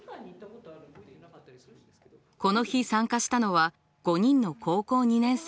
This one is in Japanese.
この日参加したのは５人の高校２年生。